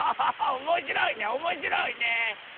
おもしろいねおもしろいね！